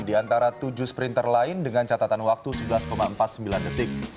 di antara tujuh sprinter lain dengan catatan waktu sebelas empat puluh sembilan detik